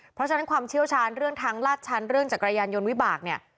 เพราะฉะนั้นความเชี่ยวชาญเรื่องทางลาดชั้นเรื่องจักรยานยนต์วิบากเนี่ย